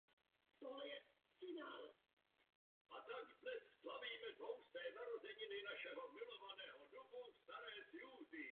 To bylo výslovně uvedeno jako druhý prvek.